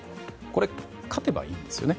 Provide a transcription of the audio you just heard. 勝てばいいんですよね。